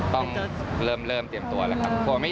ต้องเริ่มเริ่มเตรียมตัวนะครับ